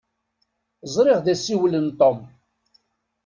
Ẓriɣ d asiwel n Tom.